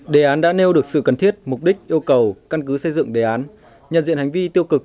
đề án đã nêu được sự cần thiết mục đích yêu cầu căn cứ xây dựng đề án nhận diện hành vi tiêu cực